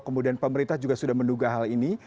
kemudian pemerintah juga sudah menduga hal ini